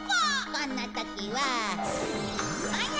こんな時は。